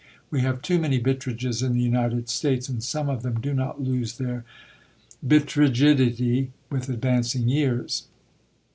We have too many Bittredges in the United States; and some of them do not lose their bittredgidity with advancing years.